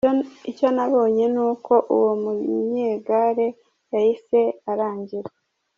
Icyo nabonye ni uko uwo munyegare yahise arangira ”.